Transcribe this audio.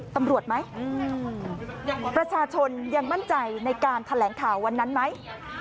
ตำรวจไหมประชาชนยังมั่นใจในการแถลงข่าววันนั้นไหม